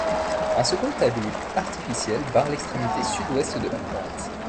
Un second talus artificiel barre l'extrémité sud-ouest de la pointe.